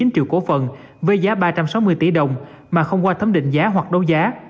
bốn triệu cổ phần với giá ba trăm sáu mươi tỷ đồng mà không qua thấm định giá hoặc đấu giá